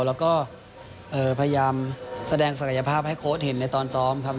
แล้วก็พยายามแสดงศักยภาพให้โค้ดเห็นในตอนซ้อมครับ